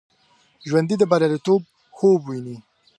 ژوندي د بریالیتوب خوب ویني